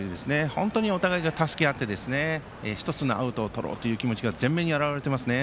本当にお互いが助け合って１つのアウトをとろうという気持ちが前面に表れていますね。